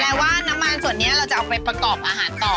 ว่าน้ำมันส่วนนี้เราจะเอาไปประกอบอาหารต่อ